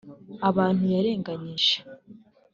Abantu yarenganyije